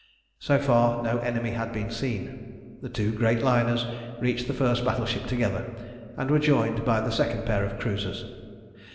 So far no enemy had been seen. The two great liners reached the first battleship together, and were joined by the second pair of cruisers.